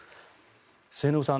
末延さん